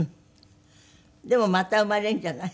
でもまた生まれるんじゃない？